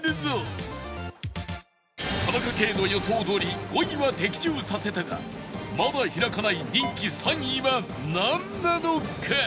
田中圭の予想どおり５位は的中させたがまだ開かない人気３位はなんなのか？